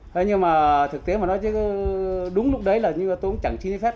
thế nhưng mà thực tế mà nói chứ đúng lúc đấy là tôi cũng chẳng chi phép